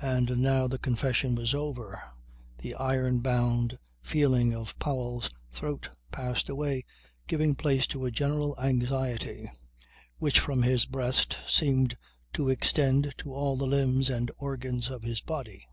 And, now the confession was over, the iron bound feeling of Powell's throat passed away giving place to a general anxiety which from his breast seemed to extend to all the limbs and organs of his body.